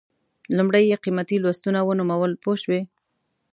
لومړی یې قیمتي لوستونه ونومول پوه شوې!.